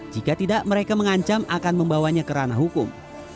jika tidak mereka mengancam akan membawanya ke ranah hukum